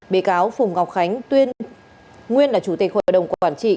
bị cáo phùng ngọc khánh tuyên nguyên là chủ tịch hội đồng quản trị